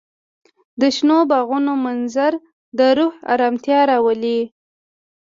د شنو باغونو منظر د روح ارامتیا راولي.